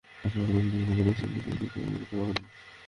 আশপাশের বস্তি থেকে যাঁরা দেখতে এসেছেন, তাঁদেরও দাঁড়াতে দেওয়া হলো না।